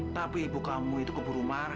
tapi ibu kamu itu keburu marah